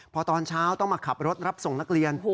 พอตอนเช้าต้องมาขับรถรับส่งนักเรียน